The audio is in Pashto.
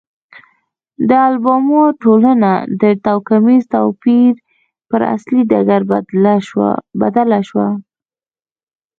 د الاباما ټولنه د توکمیز توپیر پر اصلي ډګر بدله شوه.